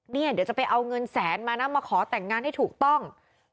เดี๋ยวจะไปเอาเงินแสนมานะมาขอแต่งงานให้ถูกต้อง